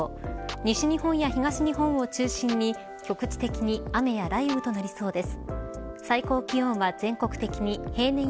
西日本や東日本を中心に局地的に雨や雷雨となりそうです。